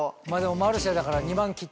『マルシェ』だから。